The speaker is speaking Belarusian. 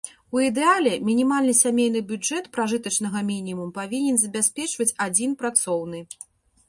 У ідэале, мінімальны сямейны бюджэт пражытачнага мінімуму павінен забяспечваць адзін працоўны.